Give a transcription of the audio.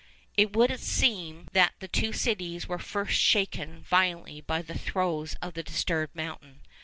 It would seem that the two cities were first shaken violently by the throes of the disturbed mountain.